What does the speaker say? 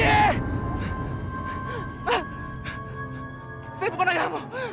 ya saya bukan ayahmu